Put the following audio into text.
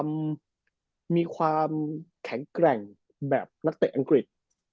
มันมีความแข็งแกร่งแบบนักเตะอังกฤษ